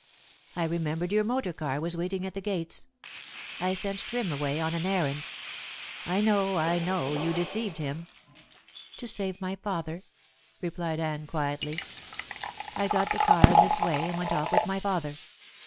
I remembered your motor car was waiting at the gates. I sent Trim away on an errand " "I know, I know! You deceived him!" "To save my father," replied Anne quietly. "I got the car in this way and went off with my father.